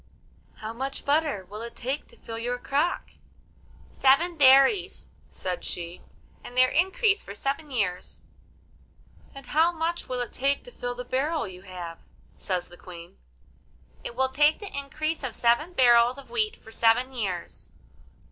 'How much butter will it take to fill your crock?' 'Seven dairies,' said she, 'and their increase for seven years.' 'And how much will it take to fill the barrel you have?' says the Queen. 'It will take the increase of seven barrels of wheat for seven years.